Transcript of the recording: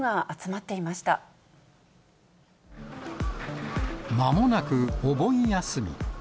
まもなくお盆休み。